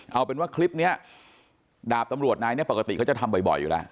เอาเป็นว่าคลิปนี้ดาบตำรวจนายเนี่ยปกติเขาจะทำบ่อยอยู่แล้ว